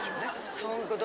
そういうこと？